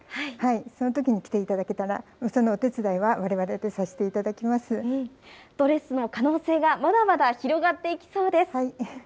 そのときに着ていただけたら、そのお手伝いはわれわれでさせていドレスの可能性がまだまだ広がっていきそうです。